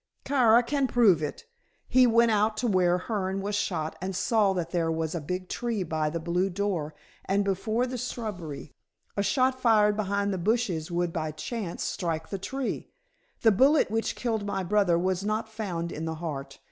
"Kara can prove it. He went to where Hearne was shot and saw that there was a big tree by the blue door, and before the shrubbery. A shot fired from behind the bushes would by chance strike the tree. The bullet which killed my brother was not found in the heart.